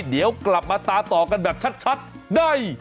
เดี๋ยวกลับมาตามต่อกันแบบชัดได้